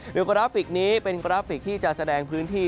โดยกราฟิกนี้เป็นกราฟิกที่จะแสดงพื้นที่